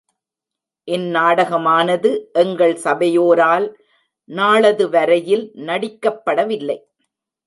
இந்நாடகமானது எங்கள் சபையோரால் நாளது வரையில் நடிக்கப்படவில்லை.